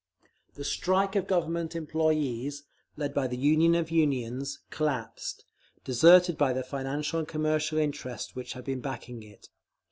The strike of Government Employees, led by the Union of Unions, collapsed, deserted by the financial and commercial interests which had been backing it.